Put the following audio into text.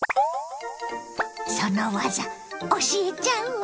その技教えちゃうわ！